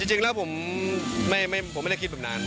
จริงแล้วผมไม่ได้คิดแบบนั้น